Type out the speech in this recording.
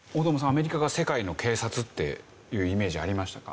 アメリカが世界の警察っていうイメージありましたか？